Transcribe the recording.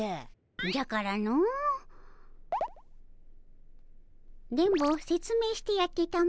じゃからの電ボせつめいしてやってたも。